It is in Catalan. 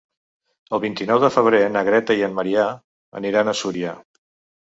El vint-i-nou de febrer na Greta i en Maria aniran a Súria.